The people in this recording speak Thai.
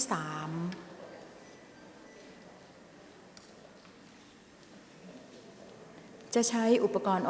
ออกรางวัลเลขหน้า๓ตัวครั้งที่๒